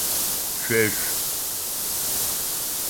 Шъуешъу!